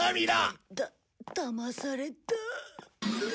だだまされた。